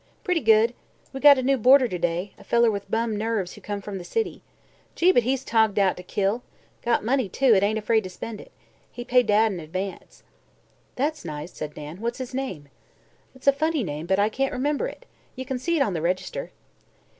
"Pretty good. We got a new boarder to day, a feller with bum nerves who come from the city. Gee! but he's togged out t' kill. Got money, too, an' ain't afraid to spend it. He paid Dad in advance." "That's nice," said Nan. "What's his name?" "It's a funny name, but I can't remember it. Ye kin see it on the register."